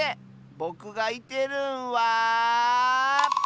ぼくがいてるんは。